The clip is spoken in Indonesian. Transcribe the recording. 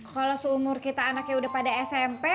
kalau seumur kita anaknya udah pada smp